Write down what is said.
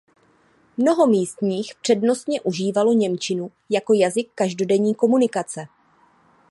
Mnoho místních přednostně užívalo němčinu jako jazyk každodenní komunikace.